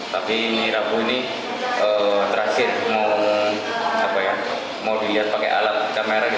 tapi rabu ini terakhir mau dilihat pakai alat kamera